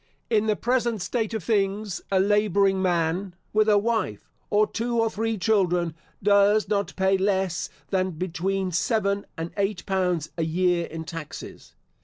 * In the present state of things a labouring man, with a wife or two or three children, does not pay less than between seven and eight pounds a year in taxes.